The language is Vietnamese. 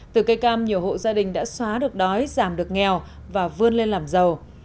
từ cây cam nhiều hộ gia đình đã xóa được đói giảm được nghèo và vươn lên làm giàu